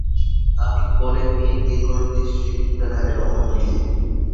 অমিত বলে, মেয়ে বিয়ে করত সেই পুরাকালে, লক্ষণ মিলিয়ে।